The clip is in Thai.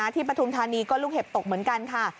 ปฐุมธานีก็ลูกเห็บตกเหมือนกันค่ะ